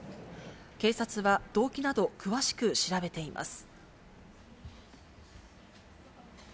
警察は動機など詳しく調べています。